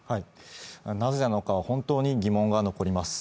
なぜなのかは、本当に疑問が残ります。